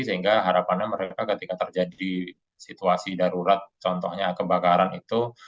sehingga harapannya mereka ketika terjadi situasi darurat contohnya kebakaran itu